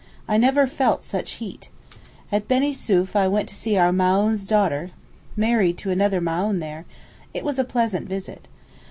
I never felt such heat. At Benisouef I went to see our Maōhn's daughter married to another Maōhn there; it was a pleasant visit.